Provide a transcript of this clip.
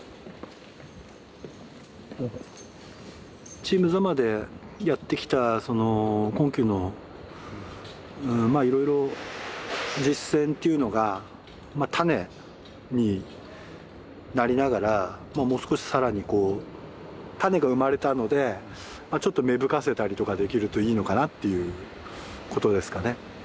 チーム座間でやってきたその困窮のいろいろ実践っていうのが種になりながらもう少し更にこう種が生まれたのでちょっと芽吹かせたりとかできるといいのかなということですかね。